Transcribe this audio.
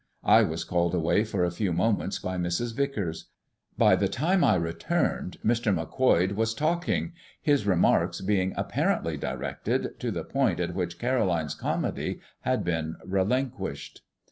I was called away for a few moments by Mrs. Vicars. By the time I returned Mr. Macquoid was talking, his remarks being apparently directed to the point at which Caroline's comedy had been relinquished.